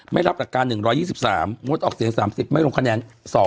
ไม่รับหลักการ๑๒๓งดออกเสียง๓๐ไม่ลงคะแนน๒